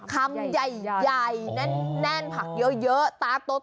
คำใหญ่แน่นผักเยอะตาโต